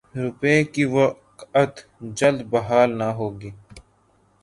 روپے کی وقعت جلد بحال نہ ہوگی۔